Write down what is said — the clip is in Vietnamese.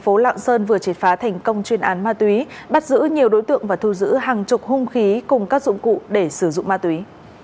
phố lạng sơn vừa triệt phá thành công chuyên án ma túy bắt giữ nhiều đối tượng và thu giữ hàng chục hung khí cùng các dụng cụ để sử dụng ma túy